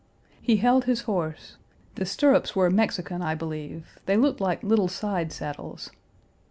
He held his horse. The stirrups were Mexican, I believe; they looked like little sidesaddles.